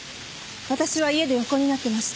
私は家で横になってました。